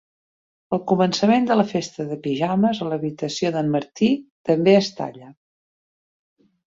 El començament de la festa de pijames a l'habitació d'en Marty també es talla.